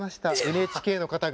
ＮＨＫの方が。